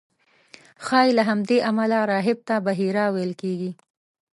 ښایي له همدې امله راهب ته بحیرا ویل کېږي.